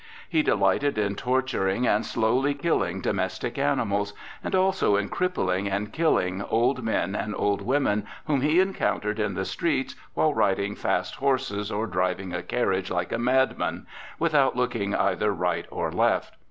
He delighted in torturing and slowly killing domestic animals, and also in crippling and killing old men and old women whom he encountered in the streets while riding fast horses or driving a carriage like a madman, without looking either right or left.